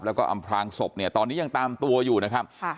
แล้วก็อำพลางศพเนี่ยตอนนี้ยังตามตัวอยู่นะครับ